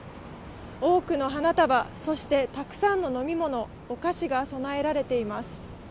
多くの花束、そしてたくさんの飲み物、お菓子が供えられています。